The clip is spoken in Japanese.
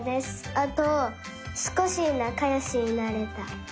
あとすこしなかよしになれた。